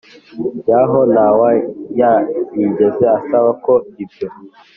y aho ntawaba yarigeze asaba ko ibyo